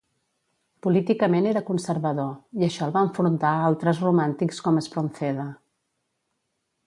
Políticament era conservador, i això el va enfrontar a altres romàntics com Espronceda.